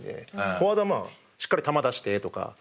フォワードはしっかり球出してとか。